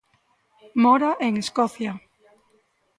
Mora en Escocia.